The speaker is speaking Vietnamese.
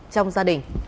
trong gia đình